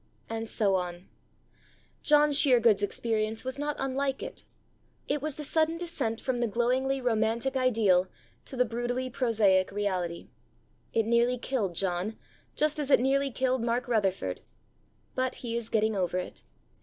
And so on. John Sheergood's experience was not unlike it. It was the sudden descent from the glowingly romantic ideal to the brutally prosaic reality. It nearly killed John just as it nearly killed Mark Rutherford. But he is getting over it.